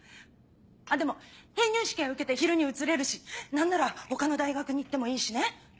あっでも編入試験受けて昼に移れるし何なら他の大学に行ってもいいしね。